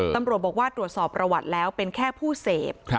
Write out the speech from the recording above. ตำรวจบอกว่าตรวจสอบประวัติแล้วเป็นแค่ผู้เสพ